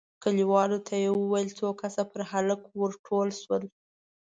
کليوالو ته يې وويل، څو کسه پر هلک ور ټول شول،